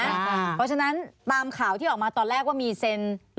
เพราะฉะนั้นตามข่าวที่ออกมาตอนแรกว่ามีเซ็น